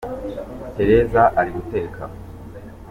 Tereza ari guteka